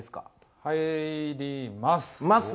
入ります。